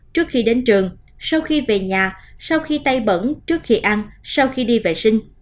trước khi đến trường sau khi về nhà sau khi tay bẩn trước khi ăn sau khi đi vệ sinh